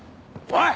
おい！